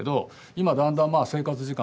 今だんだん生活時間